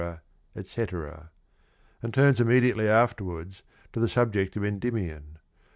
etc.," and turns immediately afterwards to the subject of Endymion.